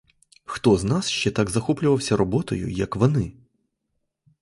Хто з нас ще так захоплювався роботою, як вони?